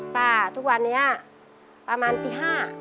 ป่าทุกวันนี้ประมาณปีห้า